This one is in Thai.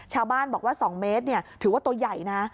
ชาวบ้านบอกว่า๒เมตรถือว่าตัวใหญ่นะ